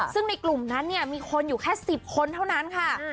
ซึ่งในกลุ่มนั้นเนี่ยมีคนอยู่แค่๑๐คนเท่านั้นค่ะ